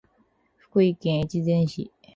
福井県越前市